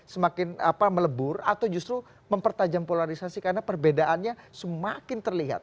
semakin melebur atau justru mempertajam polarisasi karena perbedaannya semakin terlihat